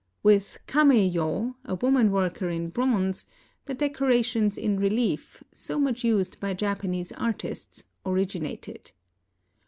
With Kamejo, a woman worker in bronze, the decoratiorfs in relief, so much used by Japanese artists, originated.